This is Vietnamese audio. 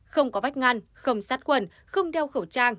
không có vách ngăn không sát quần không đeo khẩu trang